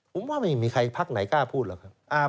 ผมว่าไม่มีใครพักไหนกล้าพูดหรอกครับ